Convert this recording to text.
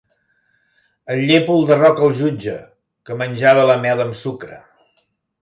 El llépol de Roc el jutge, que menjava la mel amb sucre.